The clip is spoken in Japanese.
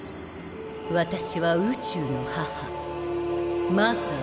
私は宇宙の母マザー。